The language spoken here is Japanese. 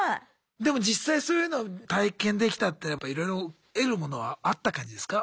でも実際そういうのを体験できたっていうのはやっぱいろいろ得るものはあった感じですか？